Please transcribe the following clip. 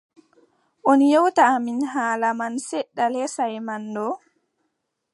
On ƴewta amin haala man seɗɗa lee saaye man ɗo ?